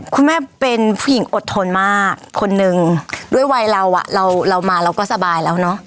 คุณแม่เป็นผู้หญิงอดทนมากคนนึงด้วยวัยเราอ่ะเราเรามาเราก็สบายแล้วเนอะ